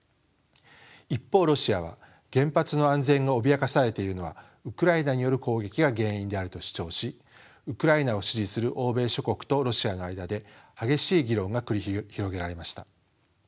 一方ロシアは原発の安全が脅かされているのはウクライナによる攻撃が原因であると主張しウクライナを支持する欧米諸国とロシアの間で激しい議論が繰り広げられました。